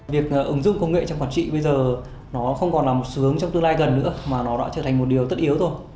việc ứng dụng công nghệ trong quản trị bây giờ nó không còn là một sướng trong tương lai gần nữa mà nó đã trở thành một điều tất yếu thôi